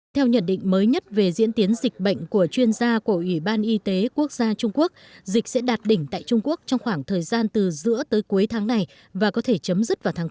theo nhận định mới nhất về diễn tiến dịch bệnh của chuyên gia của ủy ban y tế quốc gia trung quốc dịch sẽ đạt đỉnh tại trung quốc trong khoảng thời gian từ giữa tới cuối tháng này và có thể chấm dứt vào tháng bốn